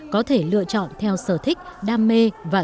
có thể lựa chọn theo sở thích đam mê và